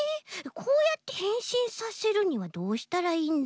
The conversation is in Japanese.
こうやってへんしんさせるにはどうしたらいいんだ？